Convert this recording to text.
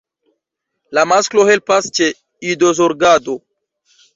La masklo helpas ĉe idozorgado.